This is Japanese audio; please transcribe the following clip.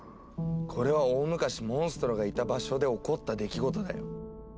これは大昔モンストロがいた場所で起こった出来事だよ。